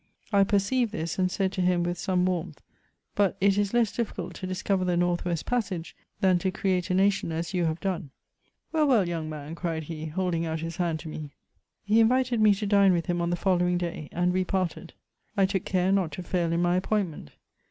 I perceived this, and said to him with some warmth, " But it is less difficult to discover the North west passage than to create a nation as you have done." ^< Well, well, young man!" cried he, holding out his hand to me. He invited me to dine with him on the following day, and we parted. I took care not to fail in my appointment.